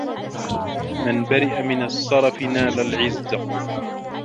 مَنْ بَرِئَ مِنْ السَّرَفِ نَالَ الْعِزَّ